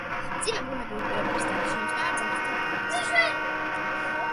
მძიმე ბუნებრივი პირობების გარდა შეიმჩნევა მძარცველთა კვალიც.